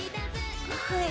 はい。